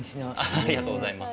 ありがとうございます。